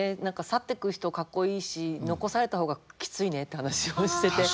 去っていく人かっこいいし残された方がきついねって話をしてて。